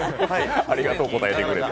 ありがとう、答えてくれて。